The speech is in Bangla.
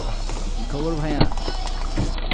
কী খবর, ভায়া?